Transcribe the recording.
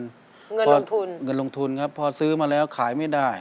เงินลงทุนเงินลงทุนครับพอซื้อมาแล้วขายไม่ได้